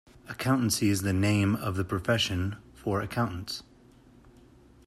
Accountancy is the name of the profession for accountants